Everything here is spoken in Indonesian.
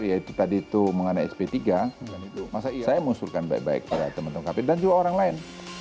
yaitu tadi itu mengenai sp tiga saya mengusulkan baik baik pada teman teman kpu dan juga orang lain